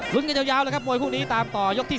กันยาวเลยครับมวยคู่นี้ตามต่อยกที่๓